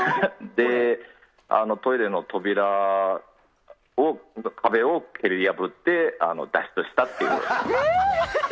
トイレの扉、壁を蹴り破って脱出したという。